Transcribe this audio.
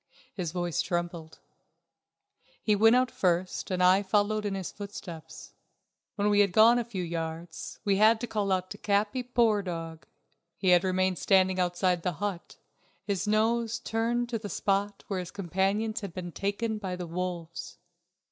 His voice trembled. He went out first, and I followed in his footsteps. When we had gone a few yards we had to call to Capi. Poor dog, he had remained standing outside the hut, his nose turned to the spot where his companions had been taken by the wolves.